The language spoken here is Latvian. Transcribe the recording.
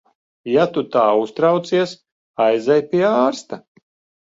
Ja tu tā uztraucies, aizej pie ārsta.